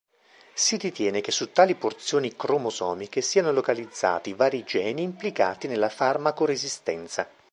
Si ritiene che su tali porzioni cromosomiche siano localizzati vari geni implicati nella farmaco-resistenza.